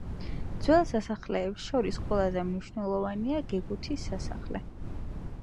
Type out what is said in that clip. ძველ სასახლეებს შორის ყველაზე მნიშვნელოვანია გეგუთის სასახლე.